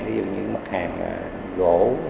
ví dụ như mặt hàng gỗ